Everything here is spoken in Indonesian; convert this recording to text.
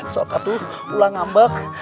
sokatu ulang ambak